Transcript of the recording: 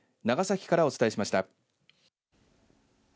長崎からお伝えしました。